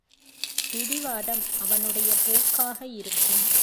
பிடிவாதம் அவனுடைய போக்காக இருக்கும்.